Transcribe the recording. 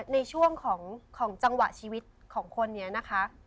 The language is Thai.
ในช่วงของจังหวะชีวิตของคนนี้นะคะ